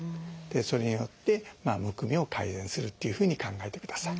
それによってむくみを改善するっていうふうに考えてください。